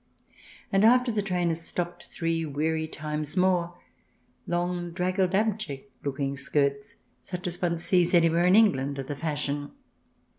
And after the train has stopped three weary times more, long, draggled, abject looking skirts, such as one sees anywhere in England, are the fashion.